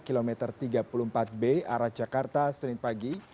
kilometer tiga puluh empat b arah jakarta senin pagi